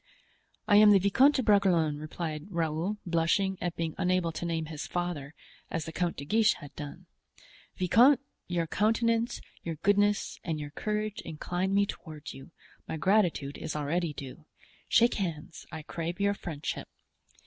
"I am the Viscount de Bragelonne," answered Raoul, blushing at being unable to name his father, as the Count de Guiche had done. "Viscount, your countenance, your goodness and your courage incline me toward you; my gratitude is already due. Shake hands—I crave your friendship."